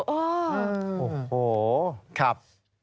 โอ้โหครับ